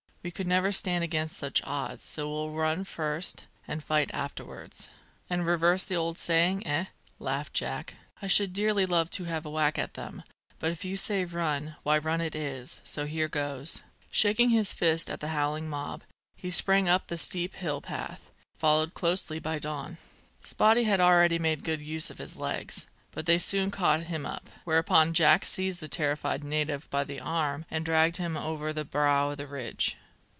We could never stand against such odds; so we'll run first and fight afterwards." "And reverse the old saying, eh?" laughed Jack. "I should dearly love to have a whack at them; but if you say run, why run it is, so here goes!" Shaking his fist at the howling mob, he sprang up the steep hill path, followed closely by Don. Spottie had already made good use of his legs, but they soon caught him up, whereupon Jack seized the terrified native by the arm and dragged him over the brow of the ridge.